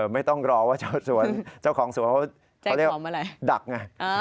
ไม่ต้องรอว่าเจ้าสวนเจ้าของสวนเขาเรียกดักไง